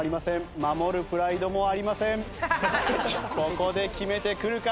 ここで決めてくるか？